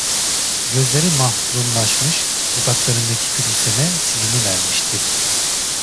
Gözleri mahzunlaşmış, dudaklarındaki gülümseme silinivermişti.